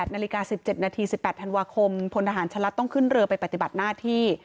นาฬิกา๑๗นาที๑๘ธันวาคมพลทหารชะลัดต้องขึ้นเรือไปปฏิบัติหน้าที่